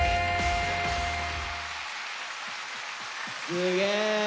すげえ！